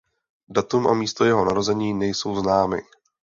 Datum a místo jeho narození nejsou známy.